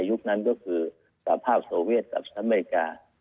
ในยุคนั้นก็คือสภาพโสเวียตกับสำเมริกา